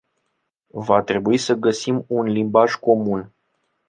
Va trebui să găsim un limbaj comun.